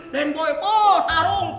den boy poh tarung